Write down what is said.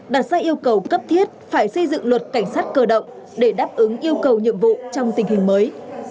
đặt ra yêu cầu cấp thiết phải xây dựng luật cảnh sát cơ động để đáp ứng yêu cầu nhiệm vụ trong tình hình mới